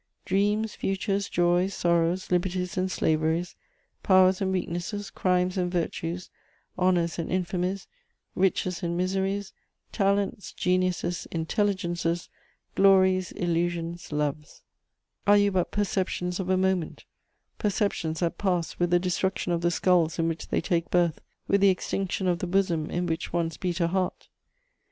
Dreams, futures, joys, sorrows, liberties and slaveries, powers and weaknesses, crimes and virtues, honours and infamies, riches and miseries, talents, geniuses, intelligences, glories, illusions, loves: are you but perceptions of a moment, perceptions that pass with the destruction of the skulls in which they take birth, with the extinction of the bosom in which once beat a heart?